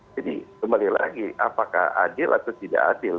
jadi kembali lagi apakah adil atau tidak adil